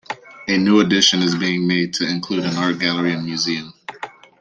A new addition is being made to include an art gallery and museum.